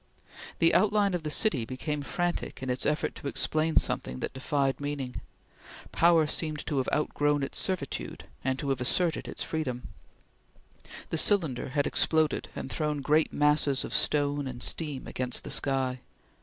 The outline of the city became frantic in its effort to explain something that defied meaning. Power seemed to have outgrown its servitude and to have asserted its freedom. The cylinder had exploded, and thrown great masses of stone and steam against the sky.